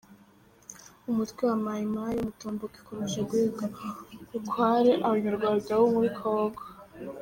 Umutwe wa Mayi mayi Mutomboki ukomeje guhiga bukware Abanyarwanda muri kongo